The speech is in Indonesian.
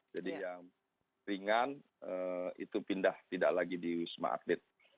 jadi yang ringan itu pindah tidak lagi di wisma atlet